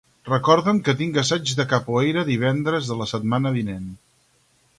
Recorda'm que tinc assaig de capoeira divendres de la setmana vinent.